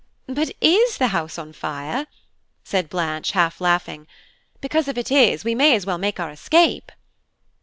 "But is the house on fire?" said Blanche, half laughing, "because, if it is, we may as well make our escape."